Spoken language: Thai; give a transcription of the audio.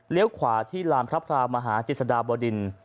เหลียวขวาที่ลามพระพรามหาจิตสดาบบดิน